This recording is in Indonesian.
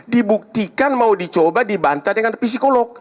dibuktikan mau dicoba dibantah dengan psikolog